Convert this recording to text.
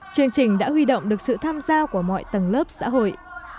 chương trình đã huy động được sự tham gia của mọi tầng lớp xã hội